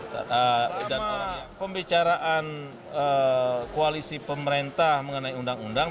pembicaraan koalisi pemerintah mengenai undang undang